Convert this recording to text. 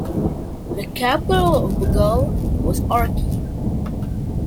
The capital of Baghal was Arki.